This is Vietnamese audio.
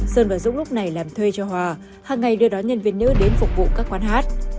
sơn và dũng lúc này làm thuê cho hòa hàng ngày đưa đón nhân viên nữ đến phục vụ các quán hát